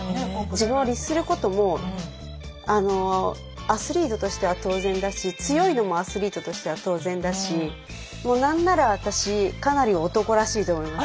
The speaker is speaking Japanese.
自分を律することもアスリートとしては当然だし強いのもアスリートとしては当然だしもう何なら私かなり男らしいと思います。